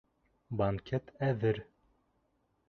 Банкет әҙер...